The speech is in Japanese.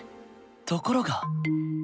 ところが。